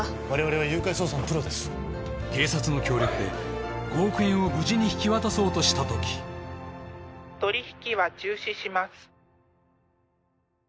我々は誘拐捜査のプロです警察の協力で５億円を無事に引き渡そうとしたとき取り引きは中止します